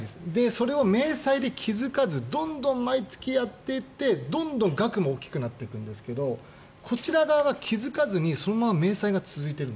それを明細で気付かずどんどん毎月やっていってどんどん額も大きくなっていくんですけどこちら側が気付かずにそのまま明細が続いている。